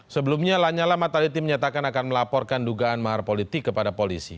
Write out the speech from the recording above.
sebelumnya lanyala mataliti menyatakan akan melaporkan dugaan mahar politik kepada polisi